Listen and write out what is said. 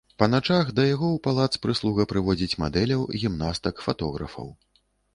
Па начах да яго ў палац прыслуга прыводзіць мадэляў, гімнастак, фатографаў.